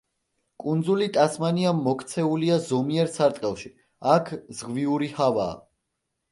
კუნძული ტასმანია მოქცეულია ზომიერ სარტყელში, აქ ზღვიური ჰავაა.